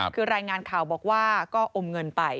คือรายงานข่าวบอกว่าก็อมเงินไป